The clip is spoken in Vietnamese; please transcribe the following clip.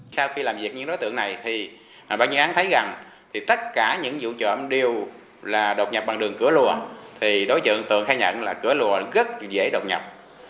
các đối tượng khai nhận là cửa lùa rất dễ đồng nhập